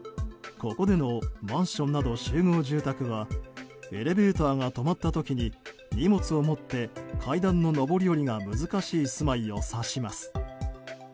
ここでのマンションなど集合住宅はエレベーターが止まった時に荷物を持って階段の上り下りが難しい住まいを指します。